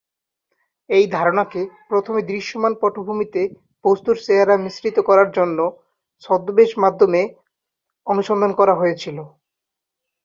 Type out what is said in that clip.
এই ধারণাকে প্রথমে দৃশ্যমান পটভূমিতে বস্তুর চেহারা মিশ্রিত করার জন্য ছদ্মবেশ মাধ্যমে অনুসন্ধান করা হয়েছিল।